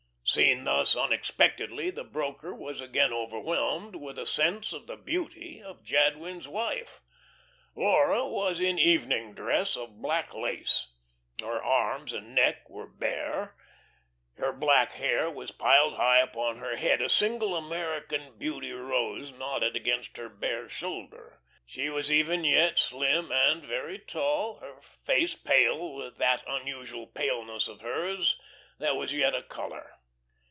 Seen thus unexpectedly, the broker was again overwhelmed with a sense of the beauty of Jadwin's wife. Laura was in evening dress of black lace; her arms and neck were bare. Her black hair was piled high upon her head, a single American Beauty rose nodded against her bare shoulder. She was even yet slim and very tall, her face pale with that unusual paleness of hers that was yet a colour.